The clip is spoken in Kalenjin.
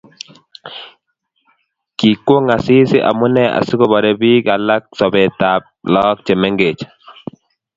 Kikwong Asisi amune asikobarei bik alak sobetab lagok che mengech